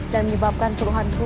dan menyebabkan peruluhan rumahan